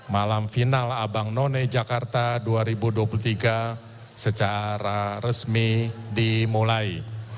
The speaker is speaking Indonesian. malam final abang none jakarta dua ribu dua puluh tiga secara resmi dimulai